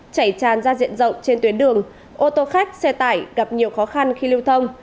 chảy tràn ra diện rộng trên tuyến đường ô tô khách xe tải gặp nhiều khó khăn khi lưu thông